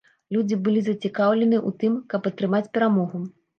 Людзі былі зацікаўленыя ў тым, каб атрымаць перамогу.